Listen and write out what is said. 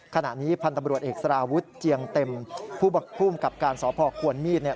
ขณะนี้พันธบริวัติเอกสราวุฒิเจียงเต็มผู้บังคุมกับการสอบพ่อควรมีดเนี่ย